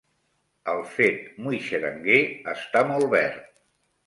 El fet muixeranguer està molt verd.